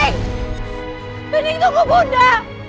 na na tunggu bunda